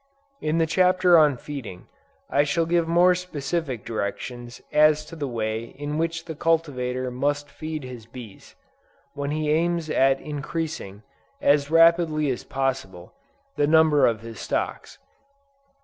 In the Chapter on Feeding, I shall give more specific directions as to the way in which the cultivator must feed his bees, when he aims at increasing, as rapidly as possible, the number of his stocks.